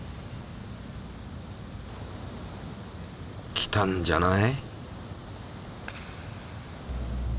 きたんじゃない？